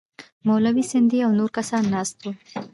مولوي سندی او نور کسان ناست وو.